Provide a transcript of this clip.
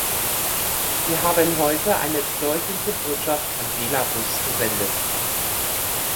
Wir haben heute eine deutliche Botschaft an Belarus gesendet.